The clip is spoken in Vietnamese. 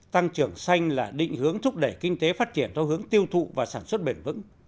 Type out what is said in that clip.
tăng trưởng xanh là định hướng thúc đẩy kinh tế phát triển theo hướng tiêu thụ và sản xuất bền vững